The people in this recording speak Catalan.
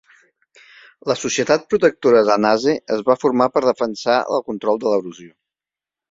La societat protectora de Naze es va formar per defensar el control de l'erosió.